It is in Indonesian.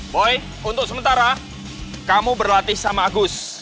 boy untuk sementara kamu berlatih sama agus